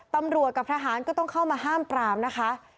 ตำรวจกับทหารก็ต้องเข้ามาห้ามปรามนะคะ